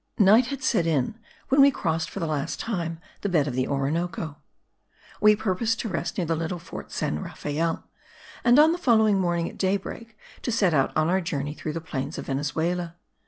Night had set in when we crossed for the last time the bed of the Orinoco. We purposed to rest near the little fort San Rafael, and on the following morning at daybreak to set out on our journey through the plains of Venezuela.